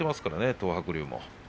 東白龍も。